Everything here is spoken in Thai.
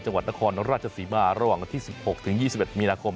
จังหวัดนครราชศรีมาระหว่างวันที่๑๖ถึง๒๑มีนาคม